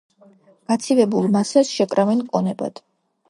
გაცივებულ მასას შეკრავენ კონებად.